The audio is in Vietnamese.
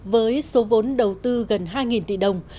với số vốn đầu tư gần hai tỷ đồng